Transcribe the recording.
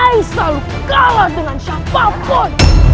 saya selalu kalah dengan siapapun